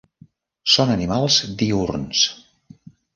Són animals diürns.